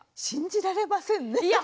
信じられませんね。